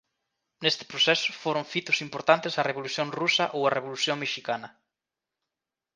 Neste proceso foron fitos importantes a Revolución Rusa ou a Revolución Mexicana.